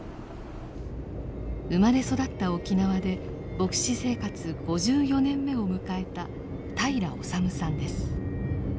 生まれ育った沖縄で牧師生活５４年目を迎えた平良修さんです。